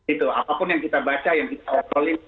itu apapun yang kita baca yang kita otrolin